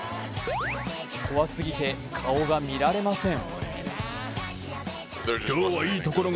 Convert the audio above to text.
怖すぎて顔が見られません。